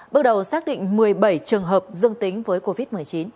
bước đầu xác định một mươi bảy trường hợp dương tính với covid một mươi chín